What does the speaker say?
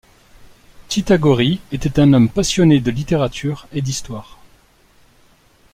Tita Gori était un homme passionné de littérature et d'histoire.